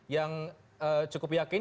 yang cukup yakin